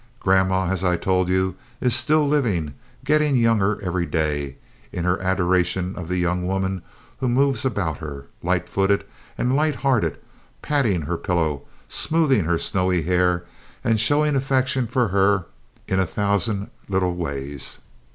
Grandma, as I told you, is still living, getting younger every day, in her adoration of the young woman who moves about her, light footed and light hearted, patting her pillow, smoothing her snowy hair, and showing affection for her in a thousand little ways.